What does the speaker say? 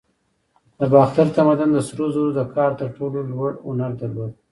د باختر تمدن د سرو زرو د کار تر ټولو لوړ هنر درلود